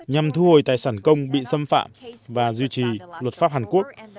nhằm thu hồi tài sản công bị xâm phạm và duy trì luật pháp hàn quốc